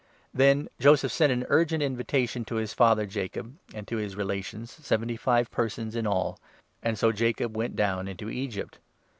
Then 14 Joseph sent an urgent invitation to his father Jacob and to his relations, seventy five persons in all ; and so Jacob went 15 down into Egypt.